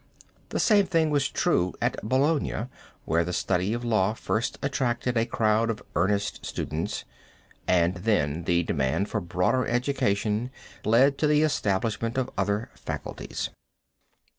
The same thing was true at Bologna, where the study of Law first attracted a crowd of earnest students, and then the demand for broader education led to the establishment of other faculties.